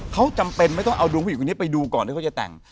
เขาจำเป็นไม่ต้องเอาดวงผู้หญิงคนนี้ไปดูก่อนที่เขาจะแต่ง